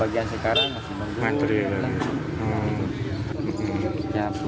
bagian sekarang masih nunggu